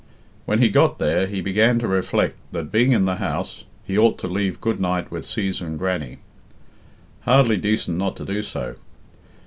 When he got there, he began to reflect that, being in the house, he ought to leave good night with Cæsar and Grannie. Hardly decent not to do so.